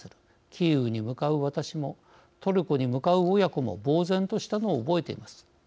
キーウに向かう私もトルコに向かう親子もぼう然としたのを覚えています。